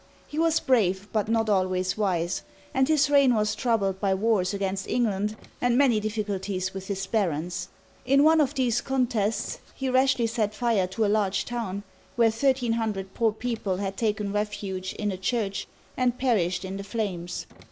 He was brave, but not always wise, and his reign was troubled by wars against England and many difficulties with his barons. In one of these contests he rashly set fire to a large town, where thirteen hundred poor people had taken refuge in a church and perished in the flames.